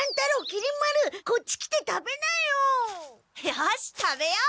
よし食べよう！